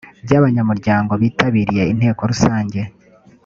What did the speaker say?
by abanyamuryango bitabiriye inteko rusange